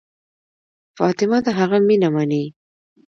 فاطمه د هغه مینه مني.